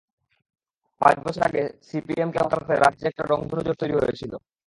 পাঁচ বছর আগে সিপিএমকে হঠাতে রাজ্যে একটা রংধনু জোট তৈরি হয়েছিল।